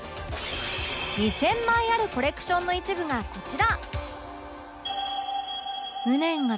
２０００枚あるコレクションの一部がこちら